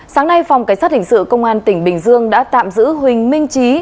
sáng nay phòng cảnh sát hình sự công an tỉnh bình dương đã tạm giữ huỳnh minh trí